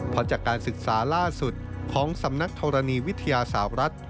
พอจากการศึกษาล่าสุดของสำนักธรรณีวิทยาศาสตร์รัฐ